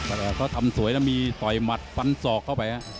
อ่าเขาก็ทำสวยนะมีต่อยมัดฟั้นสอกเข้าไป